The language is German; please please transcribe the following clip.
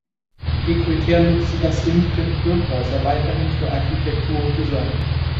De Gruyter nutzt das Imprint Birkhäuser weiterhin für Architektur und Design.